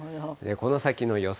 この先の予想